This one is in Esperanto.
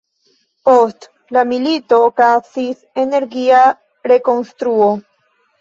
Post la milito okazis energia rekonstruo.